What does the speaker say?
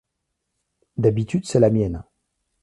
D'habitude, c'est la mienne.